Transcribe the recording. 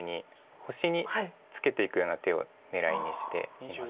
星にツケていくような手を狙いにしています。